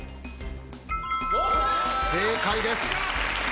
正解です。